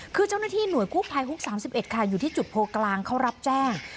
คือเจ้าหน้าที่หน่วยคู่พายฮุกสามสิบเอ็ดค่ะอยู่ที่จุดโพลกลางเขารับแจ้ง